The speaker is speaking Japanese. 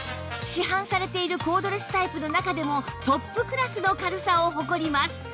市販されているコードレスタイプの中でもトップクラスの軽さを誇ります